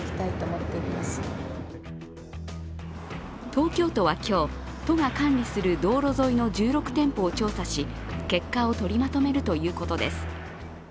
東京都は今日、都が管理する道路沿いの１６店舗を調査し、結果を取りまとめるということです。